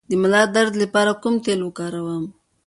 د ملا درد لپاره کوم تېل وکاروم؟